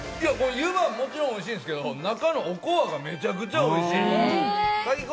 ゆばは、もちろんおいしいんですけれど、中のおこわがめちゃくちゃおいしい。